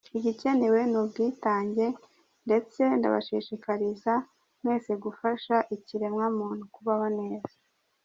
Igikenewe ni ubwitange, ndetse ndabashishikariza mwese gufasha ikiremwa muntu kubaho neza.